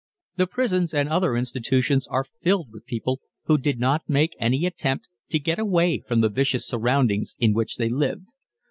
The prisons and other institutions are filled with people who did not make any attempt to get away from the vicious surroundings in which they lived.